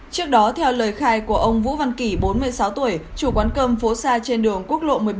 trước đó theo lời khai của ông vũ văn kỳ bốn mươi sáu tuổi chủ quán cơm phố xa trên đường quốc lộ một mươi bảy